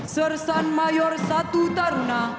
sersan mayor satu taruna